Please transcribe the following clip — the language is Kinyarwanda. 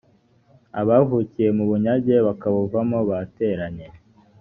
abavukiye mu bunyage bakabuvamo bateranye